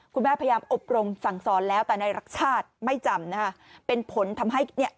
คุณแม่พยายามอบรงสั่งซ้อนแล้วแต่ในรักชาติไม่จำนะเป็นผลทำให้เนี่ย